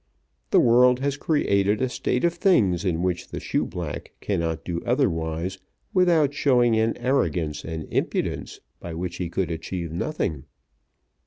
The world has created a state of things in which the shoeblack cannot do otherwise without showing an arrogance and impudence by which he could achieve nothing."